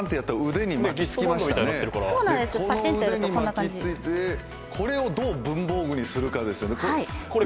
腕に巻きついて、これをどう文房具にするかですよね。